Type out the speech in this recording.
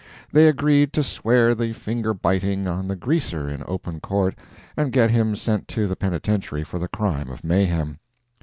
They agreed to swear the finger biting on the Greaser in open court, and get him sent to the penitentiary for the crime of mayhem.